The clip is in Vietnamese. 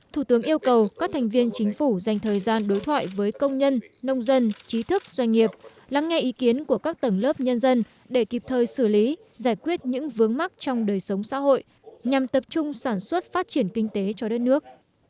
thủ tướng yêu cầu các thành viên chính phủ dành thời gian đối thoại với công nhân nông dân trí thức doanh nghiệp lắng nghe ý kiến của các tầng lớp nhân dân để kịp thời xử lý giải quyết những vướng mắc trong đời sống xã hội nhằm tập trung sản xuất phát triển kinh tế cho đất nước